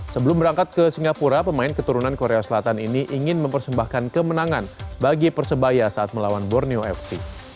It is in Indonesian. sebelum berangkat ke singapura pemain keturunan korea selatan ini ingin mempersembahkan kemenangan bagi persebaya saat melawan borneo fc